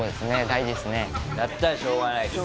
だったらしょうがないです。